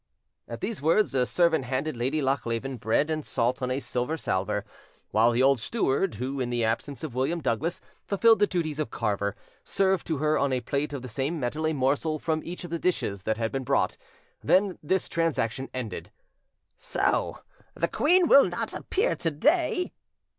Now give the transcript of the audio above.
At these words, a servant handed Lady Lochleven bread and salt on a silver salver, while the old steward, who, in the absence of William Douglas, fulfilled the duties of carver, served to her on a plate of the same metal a morsel from each of the dishes that had been brought; then, this transaction ended. "So the queen will not appear to day?"